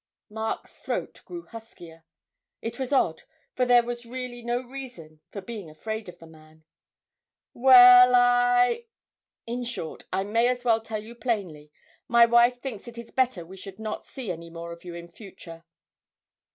Mark's throat grew huskier. It was odd, for there was really no reason for being afraid of the man. 'Well, I in short, I may as well tell you plainly, my wife thinks it is better we should not see any more of you in future.'